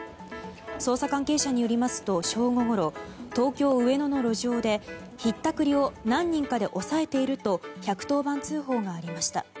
捜査関係者によりますと正午ごろ東京・上野の路上でひったくりを何人かで押さえていると１１０番通報がありました。